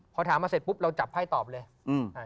พอถามมาเสร็จปุ๊บเราจับไพ่ตอบเลยอืมอ่า